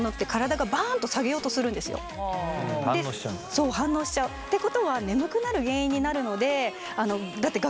そう反応しちゃう。ってことは眠くなる原因になるのであのだって学生の皆さん